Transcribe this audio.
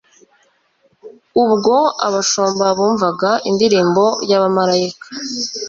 ubwo abashumba bumvaga indirimbo y'abamarayika.